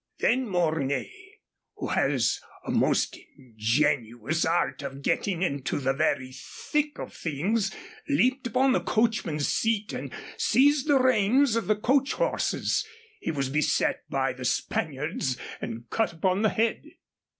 Then Mornay, who has a most ingenious art of getting into the very thick of things, leaped upon the coachman's seat and seized the reins of the coach horses. He was beset by the Spaniards and cut upon the head."